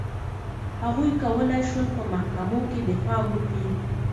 هغوی کولای شول په محکمو کې دفاع وکړي.